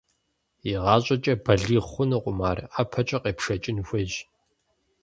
Игъащӏэкӏэ балигъ хъунукъым ар, ӀэпэкӀэ къепшэкӀын хуейщ.